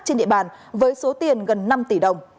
trên địa bàn với số tiền gần năm tỷ đồng